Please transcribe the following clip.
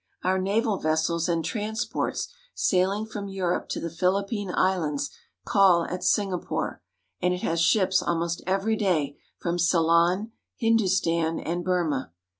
Our naval vessels and transports sailing from Europe to the Philippine Islands call at Singapore, and it has ships almost every day from Ceylon, Hindustan, and Burma.